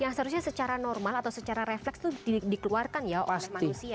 yang seharusnya secara normal atau secara refleks itu dikeluarkan ya oleh manusia